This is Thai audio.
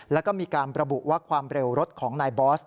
แล้วก็มีการระบุว่าความเร็วรถของนายบอส